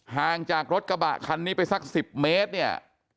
ห่างจากรถกระบะคันนี้ไปสัก๑๐เมตรเนี่ย